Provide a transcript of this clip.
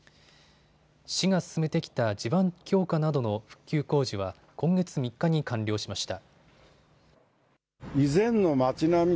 市が進めてきた地盤強化などの復旧工事は今月３日に完了しました。